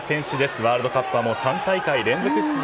ワールドカップは３大会連続出場。